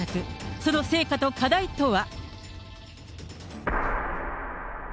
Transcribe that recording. その成果と課題とは。